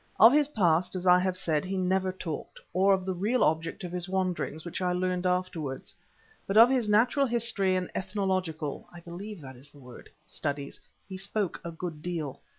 Of his past, as I have said, he never talked, or of the real object of his wanderings which I learned afterwards, but of his natural history and ethnological (I believe that is the word) studies he spoke a good deal.